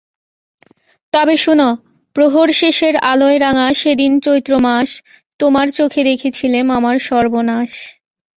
তবে শোনো– প্রহরশেষের আলোয় রাঙা সেদিন চৈত্রমাস, তোমার চোখে দেখেছিলাম আমার সর্বনাশ।